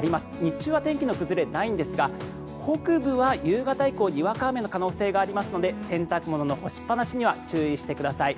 日中は天気の崩れ、ないんですが北部は夕方以降にわか雨の可能性がありますので洗濯物の干しっぱなしには注意してください。